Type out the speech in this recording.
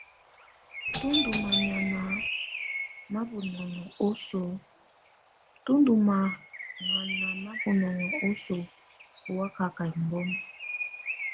Tù ndù maŋana ma bunɔŋɔ osoo ù wakaka embɔma.